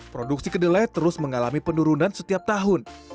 produksi kedelai terus mengalami penurunan setiap tahun